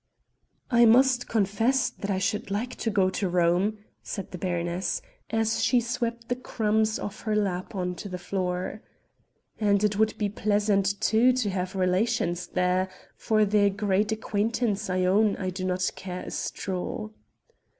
"I must confess that I should like to go to Rome," said the baroness, as she swept the crumbs off her lap on to the floor, "and it would be pleasant, too, to have relations there for their grand acquaintance I own I do not care a straw."